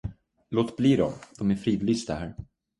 Låt bli dem, de är fridlysta här.